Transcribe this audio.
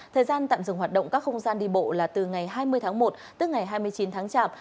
thời gian tạm dừng hoạt động các không gian đi bộ là từ ngày hai mươi tháng một tức ngày hai mươi chín tháng chạp